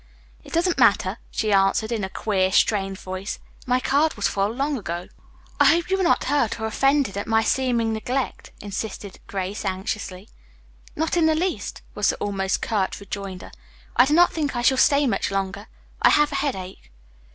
"It doesn't matter," she answered in a queer, strained voice. "My card was full long ago." "I hope you are not hurt or offended at my seeming neglect," insisted Grace anxiously. "Not in the least," was the almost curt rejoinder. "I do not think I shall stay much longer. I have a headache."